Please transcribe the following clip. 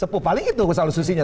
paling itu kesal solusinya